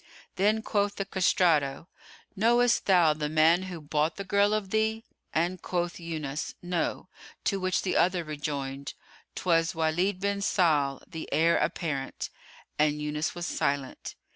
Then quoth the castrato, "Knowest thou the man who bought the girl of thee?"; and quoth Yunus, "No," to which the other rejoined, "'Twas Walid bin Sahl,[FN#112] the Heir Apparent." And Yunus was silent.